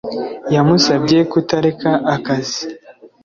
Yamusabye kutareka akazi